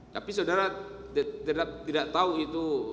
tapi saudara tidak tahu itu